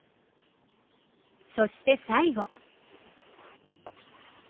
そして最後。